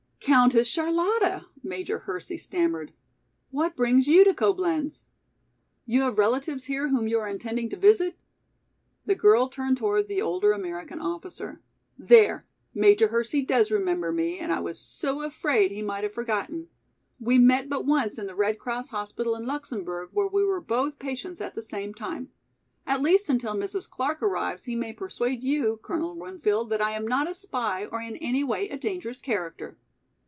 "Countess Charlotta!" Major Hersey stammered. "What brings you to Coblenz? You have relatives here whom you are intending to visit?" The girl turned toward the older American officer. "There! Major Hersey does remember me and I was so afraid he might have forgotten! We met but once in the Red Cross hospital in Luxemburg where we were both patients at the same time. At least until Mrs. Clark arrives he may persuade you, Colonel Winfield, that I am not a spy or in any way a dangerous character."